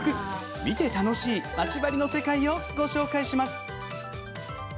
見て楽しいまち針の世界をご紹介します。